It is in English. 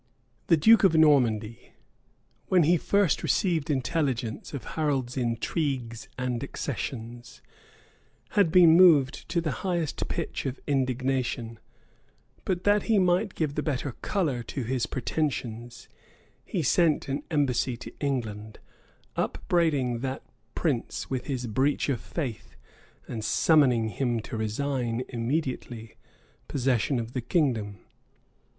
] The duke of Normandy, when he first received intelligence of Harold's intrigues and accessions, had been moved to the highest pitch of indignation; but that he might give the better color to his pretensions, he sent an embassy to England, upbraiding that prince with his breach of faith, and summoning him to resign, immediately, possession of the kingdom.